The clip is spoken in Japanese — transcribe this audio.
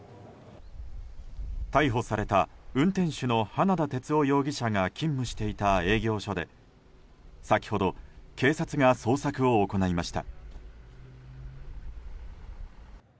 逮捕された運転手の花田哲男容疑者が勤務していた営業所で先ほど警察が捜索を行いました。